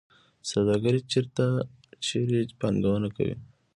سوداګر چیرته پانګونه کوي؟